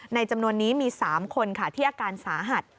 จำนวนนี้มี๓คนค่ะที่อาการสาหัส